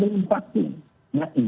karena anak anak banyak yang belum vaksin